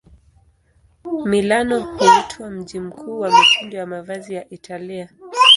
Milano huitwa mji mkuu wa mitindo ya mavazi ya Italia.